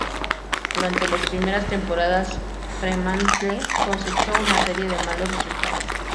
Durante las primeras temporadas, Fremantle cosechó una serie de malos resultados.